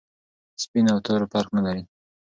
سپین او تور فرق نلري.